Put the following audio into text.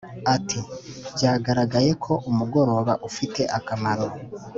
ati: “byagaragaye ko umugoroba ufite akamaro